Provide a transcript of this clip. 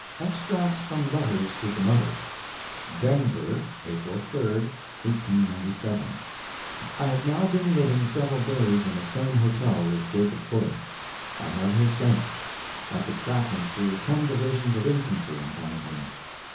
III Extracts from letters to the mother: DENVER, April 3, 1897 I have now been living several days in the same hotel with Jacob Fuller. I have his scent; I could track him through ten divisions of infantry and find him.